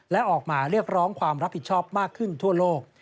และออกมาเรียกร้องความรับผิดชอบมากขึ้นทั่วโลก